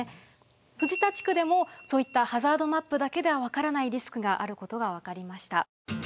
藤田地区でもそういったハザードマップだけでは分からないリスクがあることが分かりました。